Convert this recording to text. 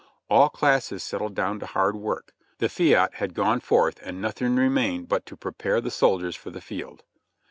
All classes settled down to hard work, the fiat had gone forth and nothing remained but to prepare the soldiers for the field.